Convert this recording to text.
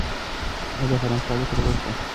ایا دا قلم ستا دی که د بل چا؟